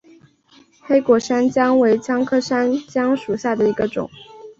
黑果山姜为姜科山姜属下的一个种。